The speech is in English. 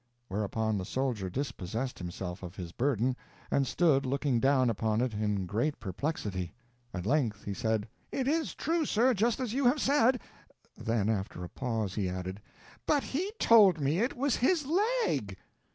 Whereupon the soldier dispossessed himself of his burden, and stood looking down upon it in great perplexity. At length he said: "It is true, sir, just as you have said." Then after a pause he added, "_But he TOLD me IT WAS HIS LEG!!!!!